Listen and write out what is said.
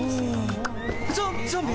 ゾゾンビ！